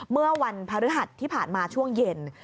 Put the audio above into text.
เมื่อวันพฤหัสที่ผ่านมาช่วงเย็น